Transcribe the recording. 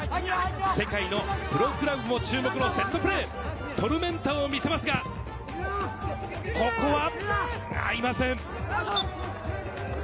世界のプロクラブも注目のセットプレー、トルメンタを見せますが、ここは合いません。